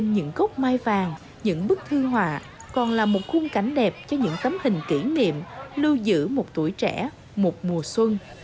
những bức thư hòa còn là một khung cảnh đẹp cho những tấm hình kỷ niệm lưu giữ một tuổi trẻ một mùa xuân